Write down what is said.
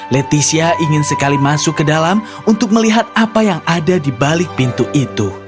leticia ingin sekali masuk ke dalam untuk melihat pintu hijau